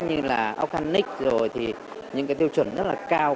như là organic rồi thì những cái tiêu chuẩn rất là cao